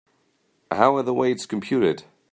How are the weights computed?